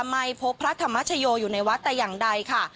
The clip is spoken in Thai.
ไม่พบพระธรรมชโยอยู่ในวัดแต่อย่างใดค่ะ